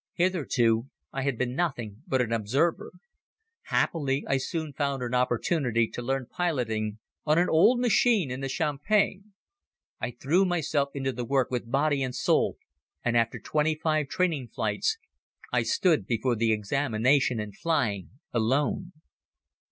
Hitherto I had been nothing but an observer. Happily I soon found an opportunity to learn piloting on an old machine in the Champagne. I threw myself into the work with body and soul and after twenty five training flights I stood before the examination in flying alone.